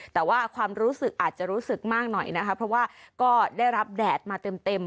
แต่ว่าความรู้สึกอาจจะรู้สึกมากหน่อยนะคะเพราะว่าก็ได้รับแดดมาเต็มเต็ม